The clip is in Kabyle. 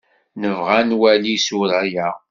Nebɣa ad nwali isura-a.